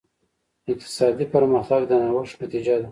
اقتصادي پرمختګ د نوښت نتیجه ده.